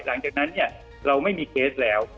หลังจากนั้นเนี่ยเราไม่มีเคสแล้ว